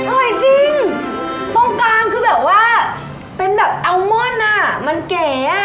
อร่อยจริงตรงกลางคือแบบว่าเป็นแบบอัลมอนอ่ะมันเก๋อ่ะ